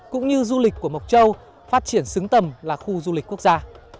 cũng như du lịch của mộc châu phát triển xứng tầm là khu du lịch quốc gia